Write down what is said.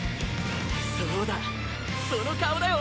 そうだその顔だよ